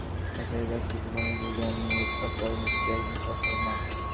একজন সফল অভিনয়শিল্পীর পাশাপাশি ব্যক্তিজীবনেও জুলিয়ান মুর সফল একজন স্ত্রী, একজন সফল মা।